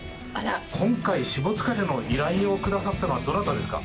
今回、しもつかれの依頼をくださったのはどなたですか？